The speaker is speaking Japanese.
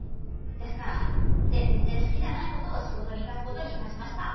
ですから全然好きじゃないことを仕事にいたすことにいたしました。